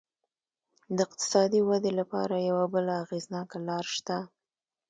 د اقتصادي ودې لپاره یوه بله اغېزناکه لار شته.